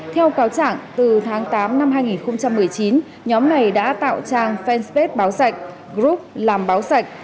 theo cáo chẳng từ tháng tám năm hai nghìn một mươi chín nhóm này đã tạo trang fan space báo sạch group làm báo sạch